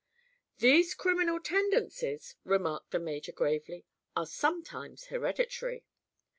"These criminal tendencies," remarked the major gravely, "are sometimes hereditary."